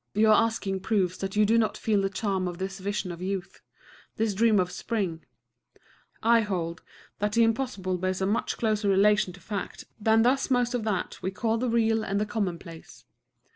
Your asking proves that you do not feel the charm of this vision of youth, this dream of spring. I hold that the Impossible bears a much closer relation to fact than does most of what we call the real and the commonplace.